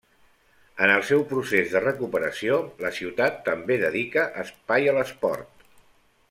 En el seu procés de recuperació, la ciutat també dedica espai a l'esport.